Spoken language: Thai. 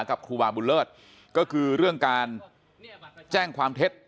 ครูบาบุญเลิศก็คือเรื่องการแจ้งความเท็จ